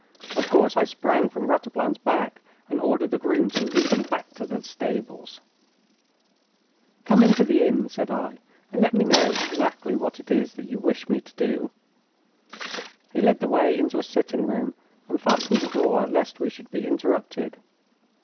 Of course, I sprang from Rataplan's back and ordered the groom to lead him back into the stables. 'Come into the inn,' said I, 'and let me know exactly what it is that you wish me to do.' He led the way into a sitting room, and fastened the door lest we should be interrupted.